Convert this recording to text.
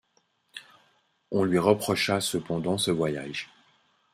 On lui reprochera cependant ce voyage.